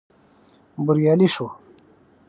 بريالي شوو.